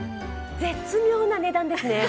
絶妙な値段ですね。